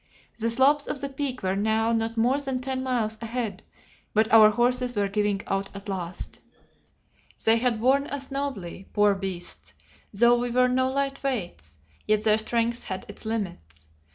The slopes of the Peak were now not more than ten miles ahead, but our horses were giving out at last. They had borne us nobly, poor beasts, though we were no light weights, yet their strength had its limits.